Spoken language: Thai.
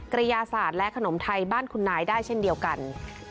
กระยาศาสตร์และขนมไทยบ้านคุณนายได้เช่นเดียวกัน